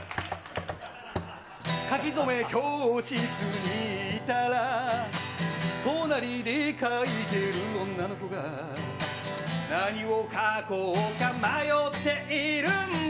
書き初め教室に行ったら、隣で書いてる女の子が、何を書こうか迷っているんだ。